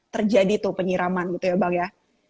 terjadi tuh penyiraman gitu ya bang ya